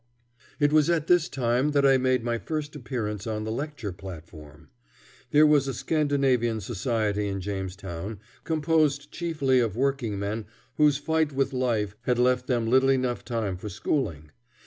It was at this time that I made my first appearance on the lecture platform. There was a Scandinavian society in Jamestown, composed chiefly of workingmen whose fight with life had left them little enough time for schooling.